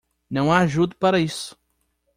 Não há ajuda para isso.